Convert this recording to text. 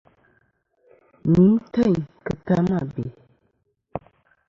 Ni têyn ki ta mà bè.